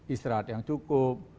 istirahat yang cukup